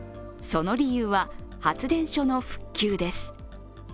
その理由は、発電所の復旧です。